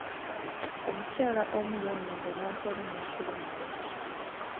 Omukyala omu yannonda n'antwala ne nsula naye.